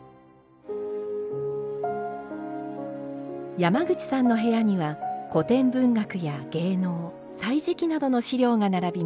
山口さんの部屋には古典文学や芸能「歳時記」などの資料が並びます。